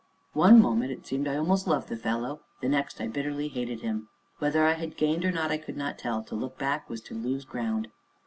One moment it seemed that I almost loved the fellow, and the next that I bitterly hated him. Whether I had gained or not, I could not tell; to look back was to lose ground.